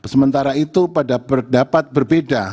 sementara itu pada berdapat berbeda